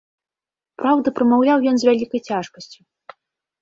Праўда, прамаўляў ён з вялікай цяжкасцю.